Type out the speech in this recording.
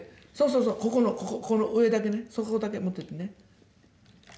そうそうそうここの上だけねそこだけ持っててね。